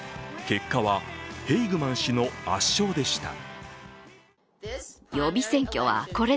結果はヘイグマン氏の圧勝でした。